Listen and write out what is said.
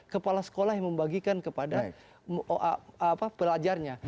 kepala sekolah yang membagikan kepada pelajarnya